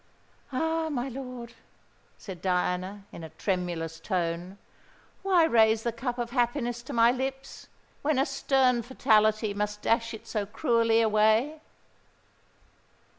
"Ah! my lord," said Diana, in a tremulous tone, "why raise the cup of happiness to my lips, when a stern fatality must dash it so cruelly away?"